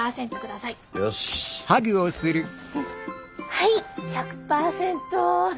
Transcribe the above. はい１００％！